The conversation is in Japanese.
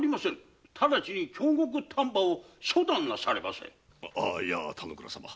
直ちに京極丹波を処断なされませ田之倉様。